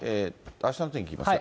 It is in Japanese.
あしたの天気いきますか。